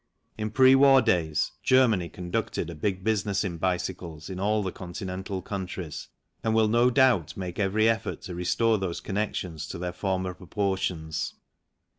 In pre war days Germany conducted a big business in bicycles in all the Continental countries, and will no doubt make every effort to restore those connections to their former proportions.